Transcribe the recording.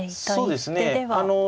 そうですね。